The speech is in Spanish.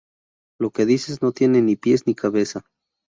Lo que dices no tiene ni pies ni cabeza